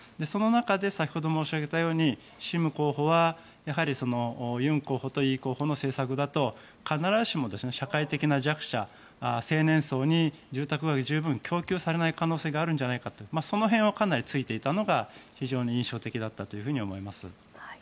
その中で先ほど申し上げたようにシム候補は、やはりユン候補とイ候補の政策だと必ずしも社会的な弱者青年層に住宅が十分に供給されない可能性があるんじゃないかってその辺をかなり突いていたのが非常に印象的だったと思います。